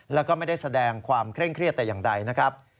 แล้วก็ไม่ได้แสดงความเคร่งเครียดแต่อย่างใดนะครับ